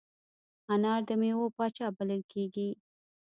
انار د میوو پاچا بلل کېږي.